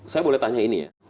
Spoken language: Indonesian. saya boleh tanya ini ya